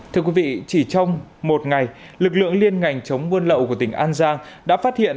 thưa quý vị chỉ trong một ngày lực lượng liên ngành chống buôn lậu của tỉnh an giang đã phát hiện